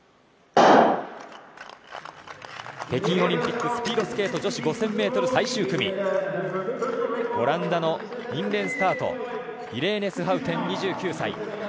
北京オリンピックスピードスケート女子５０００ｍ最終組、オランダのインレーン、スタートイレーネ・スハウテン、２９歳。